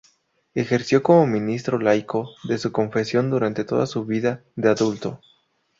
Ejerció como ministro laico de su confesión durante toda su vida de adulto.